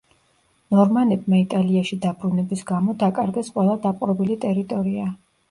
ნორმანებმა იტალიაში დაბრუნების გამო დაკარგეს ყველა დაპყრობილი ტერიტორია.